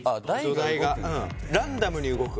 土台がランダムに動く